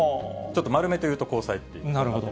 ちょっと丸めて言うと、交際と。